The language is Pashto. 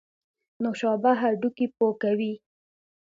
نوشابه هډوکي پوکوي